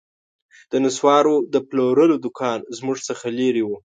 د نسوارو د پلورلو دوکان زموږ څخه لیري و